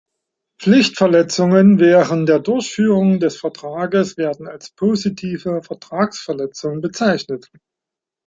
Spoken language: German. Pflichtverletzungen während der Durchführung des Vertrags werden als positive Vertragsverletzung bezeichnet.